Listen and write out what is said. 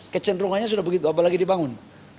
kecenderungannya sudah begitu apalagi dibangun